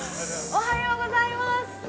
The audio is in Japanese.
◆おはようございます。